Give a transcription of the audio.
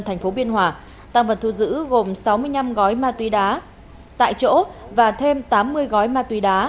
thành phố biên hòa tăng vật thu giữ gồm sáu mươi năm gói ma túy đá tại chỗ và thêm tám mươi gói ma túy đá